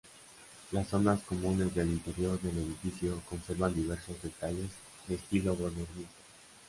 Las zonas comunes del interior del edificio conservan diversos detalles de estilo modernista.